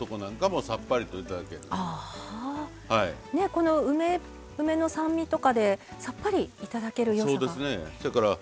この梅の酸味とかでさっぱりいただけるよさが。